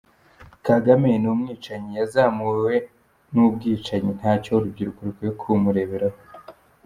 Kagame ni umwicanyi, yazamuwe n’ubwicanyi, ntacyo urubwiruko rukwiye kumureberaho.